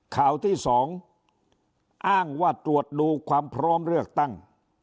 ข่าวที่๒อ้างว่าตรวจดูความพร้อมเลือกตั้ง